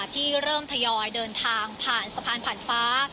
ที่เริ่มทยอยเดินทางผ่านสะพานผ่านฟ้า